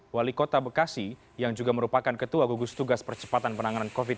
wali kota bekasi yang juga merupakan ketua gugus tugas percepatan penanganan covid sembilan belas